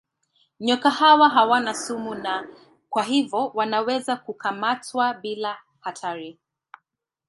Nyoka hawa hawana sumu na kwa hivyo wanaweza kukamatwa bila hatari.